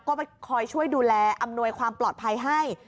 ก็ไปคอยช่วยดูแลอำนวยความปลอดภัยให้